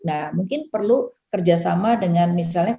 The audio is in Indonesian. nah mungkin perlu kerjasama dengan misalnya